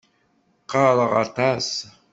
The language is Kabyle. Qqareɣ aṭas.